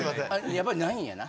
やっぱりないんやな。